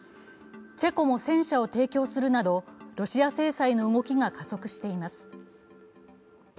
チェコも戦車を提供するなどロシア制裁の動きが加速しています。